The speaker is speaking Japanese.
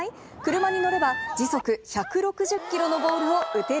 車に乗れば時速１６０キロのボールを打てる？